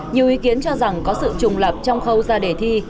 nhiều ý kiến cho rằng có sự trùng lập trong khâu ra đề thi